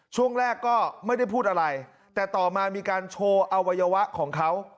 ช่วงแรกก็ไม่ได้พูดอะไรแต่ต่อมามีการโชว์อวัยวะของเขา